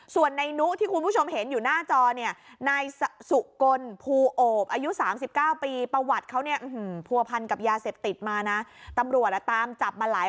ส่วนในนู้ที่คุณผู้ชมเห็นอยู่หน้าจอ